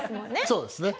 そうですね。